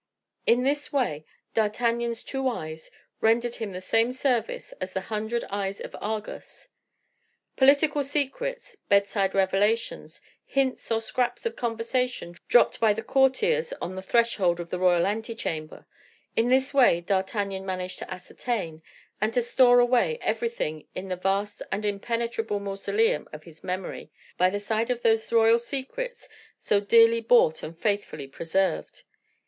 In this way, D'Artagnan's two eyes rendered him the same service as the hundred eyes of Argus. Political secrets, bedside revelations, hints or scraps of conversation dropped by the courtiers on the threshold of the royal ante chamber, in this way D'Artagnan managed to ascertain, and to store away everything in the vast and impenetrable mausoleum of his memory, by the side of those royal secrets so dearly bought and faithfully preserved.